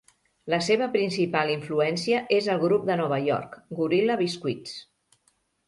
La seva principal influència és el grup de Nova York, Gorilla Biscuits.